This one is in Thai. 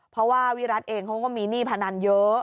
เพราะว่าวิรัติเองเขาก็มีหนี้พนันเยอะ